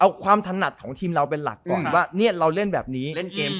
เอาความถนัดของทีมเราเป็นหลักก่อนว่าเนี่ยเราเล่นแบบนี้เล่นเกม